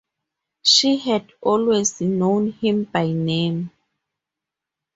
She had always known him by name.